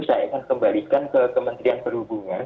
saya akan kembalikan ke kementerian perhubungan